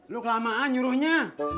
lo kelamaan nyuruhnya